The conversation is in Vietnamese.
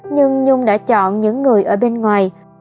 nhưng nhung đã chọn những người ở bên ngoài